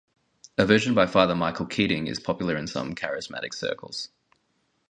A version by Father Michael Keating is popular in some Charismatic circles.